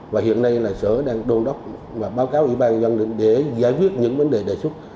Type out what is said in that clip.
và hiện nay là sở đang đôn đốc và báo cáo ủy ban dân tỉnh để giải quyết những vấn đề đề xuất